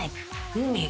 海。